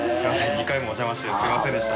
２回もおじゃましてすみませんでした。